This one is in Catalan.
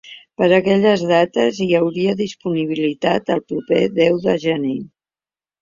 Per a aquelles dates, hi hauria disponibilitat el proper deu de gener.